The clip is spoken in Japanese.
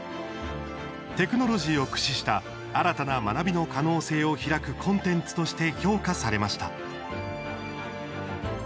テクノロジーを駆使した新たな学びの可能性を開くコンテンツとして評価されました。